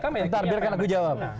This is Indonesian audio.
bentar biarkan aku jawab